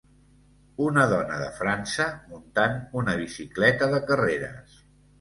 Una dona de França muntant una bicicleta de carreres.